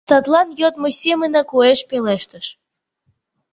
Садлан йодмо семынак уэш пелештыш: